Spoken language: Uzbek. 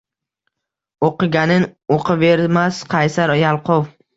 Oʼqiganin uqavermas qaysar, yalqov